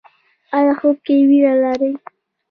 ایا خوب کې ویره لرئ؟